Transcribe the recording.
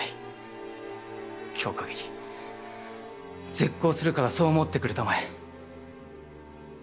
今日限り絶交するからそう思ってくれたまえ」。